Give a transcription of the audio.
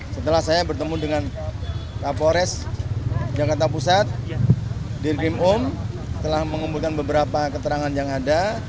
setelah saya bertemu dengan kapolres jakarta pusat dirkrim um telah mengumpulkan beberapa keterangan yang ada